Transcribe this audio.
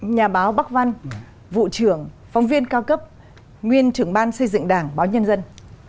nhà báo bắc văn vụ trưởng phóng viên cao cấp nguyên trưởng ban xây dựng đảng báo nhân dân